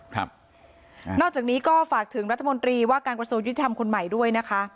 ครับนอกจากนี้ก็ฝากถึงรัฐมนตรีว่าการกระทรวงยุติธรรมคนใหม่ด้วยนะคะ